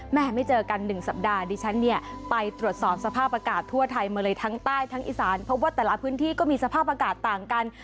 ไม่เจอกัน๑สัปดาห์ดิฉันเนี่ยไปตรวจสอบสภาพอากาศทั่วไทยมาเลยทั้งใต้ทั้งอีสานเพราะว่าแต่ละพื้นที่ก็มีสภาพอากาศต่างกัน